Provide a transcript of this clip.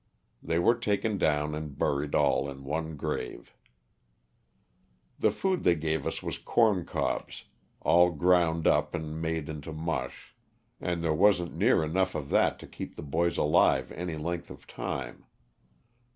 They were taken down and buried all in one grave. The food they gave us was corn cobs, all ground up LOSS OF THE SULTANA. 339 and made into mush, and there wasn't near enough of that to keep the boys alive any length of time.